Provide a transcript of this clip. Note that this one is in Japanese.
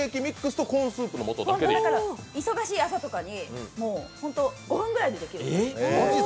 忙しい朝とかに５分ぐらいでできる。